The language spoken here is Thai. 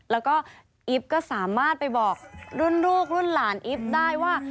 แล้วก็อิ๊บก็สามารถไปบอกรุ่นลูกรุ่นหลานอิ๊บได้ว่า